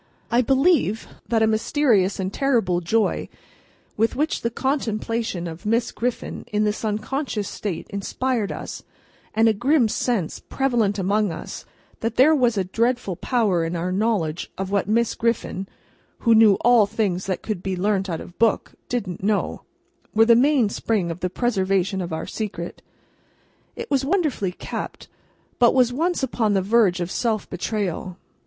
I believe that a mysterious and terrible joy with which the contemplation of Miss Griffin, in this unconscious state, inspired us, and a grim sense prevalent among us that there was a dreadful power in our knowledge of what Miss Griffin (who knew all things that could be learnt out of book) didn't know, were the main spring of the preservation of our secret. It was wonderfully kept, but was once upon the verge of self betrayal.